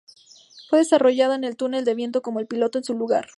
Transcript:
Fue desarrollada en el túnel de viento con el piloto en su lugar.